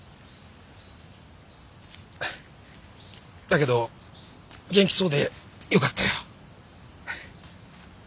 だけど元気そうでよかったよ。